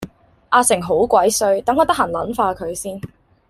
阿成好鬼衰等我得閒撚化佢先